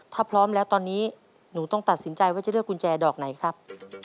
ถ้าพร้อมแล้วตอนนี้หนูต้องตัดสินใจว่าจะเลือกกุญแจดอกไหนครับ